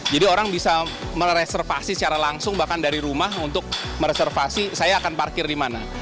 jadi orang bisa mereservasi secara langsung bahkan dari rumah untuk mereservasi saya akan parkir di mana